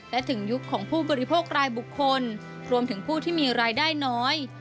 และถึงยุคของผู้บริโภครายบุคคลรวมถึงผู้ที่มีรายได้น้อย